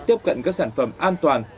tiếp cận các sản phẩm an toàn